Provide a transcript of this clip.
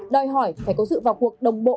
đòi hỏi phải có sự vào cuộc đồng bộ